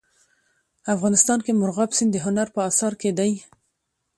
افغانستان کې مورغاب سیند د هنر په اثار کې دی.